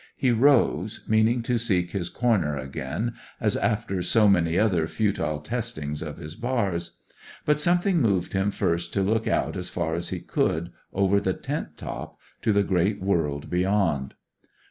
He rose, meaning to seek his corner again, as after so many other futile testings of his bars; but something moved him first to look out as far as he could, over the tent top, to the great world beyond.